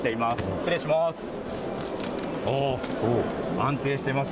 失礼します。